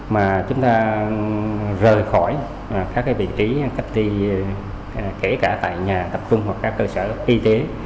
mà chúng ta rời khỏi các vị trí cách ly kể cả tại nhà tập trung hoặc các cơ sở y tế